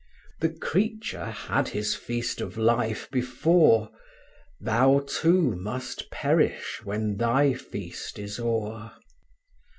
The creature had his feast of life before; Thou too must perish when thy feast is o'er!